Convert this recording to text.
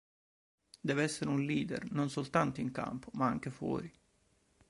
Deve essere un leader, non soltanto in campo, ma anche fuori.